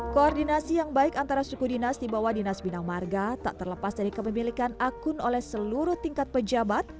koordinasi yang baik antara suku dinas di bawah dinas bina marga tak terlepas dari kepemilikan akun oleh seluruh tingkat pejabat